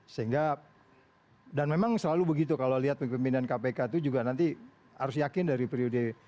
sehingga dan memang selalu begitu kalau lihat pimpinan kpk itu juga nanti harus yakin dari periode